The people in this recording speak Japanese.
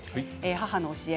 母の教え。